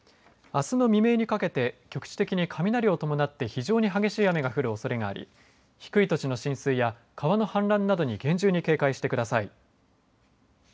あすの未明にかけて局地的に雷を伴って非常に激しい雨が降るおそれがあり低い土地の浸水や川の氾濫などに厳重に警戒してください。